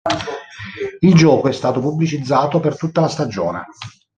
Il gioco è stato pubblicizzato per tutta la stagione.